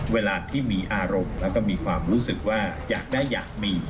เวลาที่มีอารมณ์แล้วก็มีความรู้สึกว่าอยากได้อยากมี